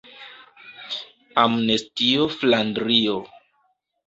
Amnestio Flandrio.